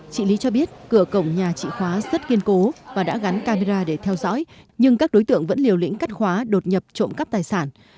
chị lý cho biết cửa cổng nhà trị khóa rất kiên cố và đã gắn camera để theo dõi nhưng các đối tượng vẫn liều lĩnh cắt khóa đột nhập trộm cắp tài sản